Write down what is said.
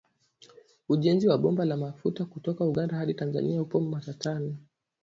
Ujenzi wa bomba la mafuta kutoka Uganda hadi Tanzania upo matatani.